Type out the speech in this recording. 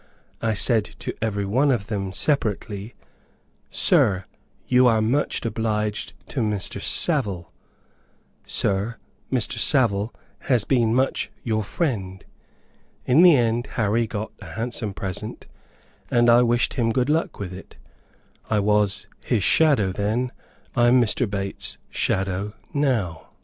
I said to every one of them separately, 'Sir, you are much obliged to Mr. Savile;' 'Sir, Mr. Savile has been much your friend.' In the end Harry got a handsome present; and I wished him good luck with it. I was his shadow then. I am Mr. Bates's shadow now."